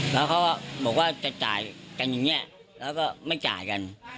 แล้วเขาก็บอกว่าจะจ่ายกันอย่างนี้แล้วก็ไม่จ่ายกัน